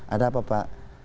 ada apa pak